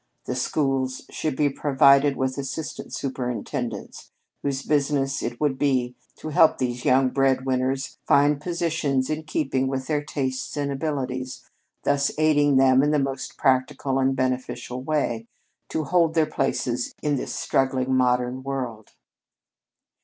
The schools should be provided with assistant superintendents whose business it would be to help these young bread winners find positions in keeping with their tastes and abilities, thus aiding them in the most practical and beneficent way, to hold their places in this struggling, modern world.